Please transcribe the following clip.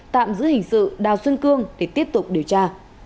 tạm giữ hình sự đào xuân cương để tiếp tục điều tra